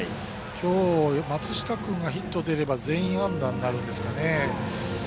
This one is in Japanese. きょう、松下君がヒット打てれば全員安打になるんですかね。